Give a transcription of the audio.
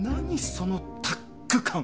そのタッグ感。